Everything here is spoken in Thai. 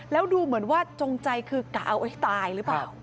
แล้วดูเหมือนว่าจงใจคือกะเอาให้ตายหรือเปล่า